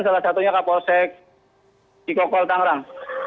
salah satunya kapolsek cikokol tangerang